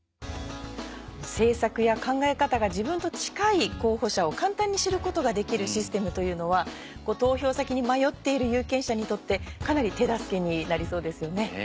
政策や考え方が自分と近い候補者を簡単に知ることができるシステムというのは投票先に迷っている有権者にとってかなり手助けになりそうですよね。